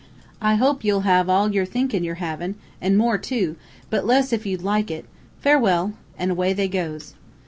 'I hope you'll have all you're thinkin' you're havin', an' more too, but less if you'd like it. Farewell.' An' away they goes.